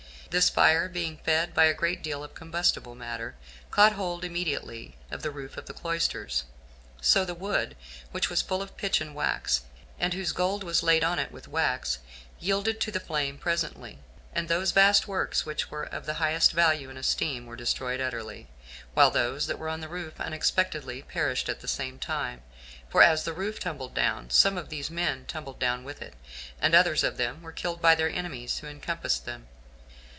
This fire 15 being fed by a great deal of combustible matter, caught hold immediately on the roof of the cloisters; so the wood, which was full of pitch and wax, and whose gold was laid on it with wax, yielded to the flame presently, and those vast works, which were of the highest value and esteem, were destroyed utterly, while those that were on the roof unexpectedly perished at the same time; for as the roof tumbled down, some of these men tumbled down with it, and others of them were killed by their enemies who encompassed them.